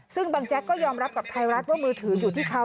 ซึ่งบางแจ๊กก็ยอมรับกับไทยรัฐว่ามือถืออยู่ที่เขา